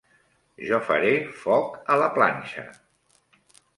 Jo faré foc a la planxa.